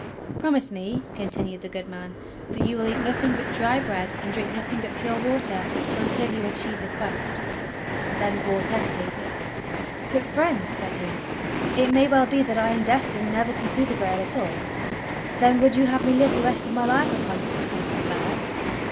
"Promise me," continued the good man, "that you will eat nothing but dry bread and drink nothing but pure water until you achieve the Quest." Then Bors hesitated. ' "But, Friend," said he, "it may well be that I am destined never to see the Grail at all. Then would you have me live the rest of my life upon such simple fare?"